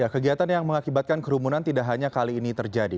kegiatan yang mengakibatkan kerumunan tidak hanya kali ini terjadi